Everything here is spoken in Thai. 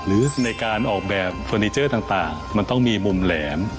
หรือในการออกแบบเฟอร์นิเจอร์ต่างมันต้องมีมุมแหลม